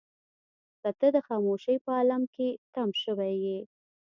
که ته د خاموشۍ په عالم کې تم شوې يې.